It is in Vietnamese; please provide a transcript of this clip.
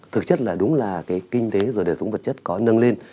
thực chất là đúng là cái kinh tế rồi đời sống vật chất có nâng lên